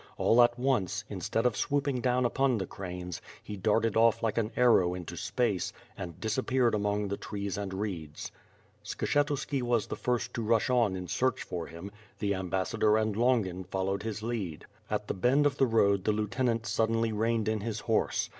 x\ll at once, instead of swooping down upon the cranes, he darted off like an arrow into space, and disappeared among the trees and reeds. Skshetuski was the first to rush on in search for him; the Ambassador and Tx)ngin followed his lead. At the bend of the road the Lieutenant suddenly reined in his horse.